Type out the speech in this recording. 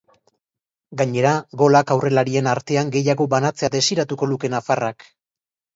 Gainera, golak aurrelarien artean gehiago banatzea desiratuko luke nafarrak.